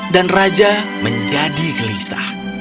dan raja menjadi gelisah